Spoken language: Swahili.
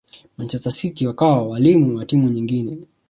manchester city wakawa walimu wa timu nyingine